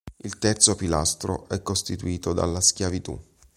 Il terzo pilastro è costituito dalla schiavitù.